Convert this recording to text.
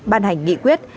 ban hành nghị quyết